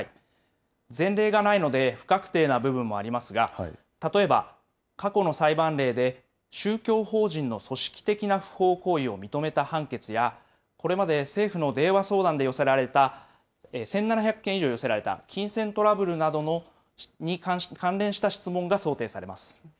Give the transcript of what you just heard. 前例がないので不確定な部分もありますが、例えば過去の裁判例で宗教法人の組織的な不法行為を認めた判決や、これまで政府の電話相談で寄せられた、１７００件以上寄せられた金銭トラブルなどに関連した質問が想定されます。